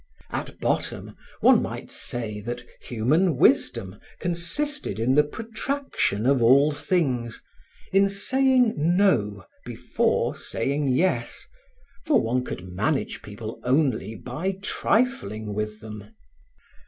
At bottom, one might say that human wisdom consisted in the protraction of all things, in saying "no" before saying "yes," for one could manage people only by trifling with them.